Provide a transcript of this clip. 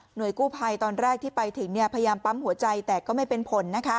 โดยกู้ภัยตอนแรกที่ไปถึงพยายามปั๊มหัวใจแต่ก็ไม่เป็นผล